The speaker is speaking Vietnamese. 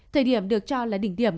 thời điểm được cho là đỉnh điểm